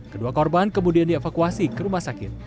kedua korban kemudian dievakuasi ke rumah sakit